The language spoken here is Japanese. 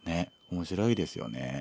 面白いですよね。